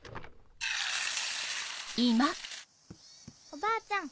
おばあちゃん